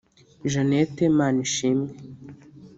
Jeanette Manishimwe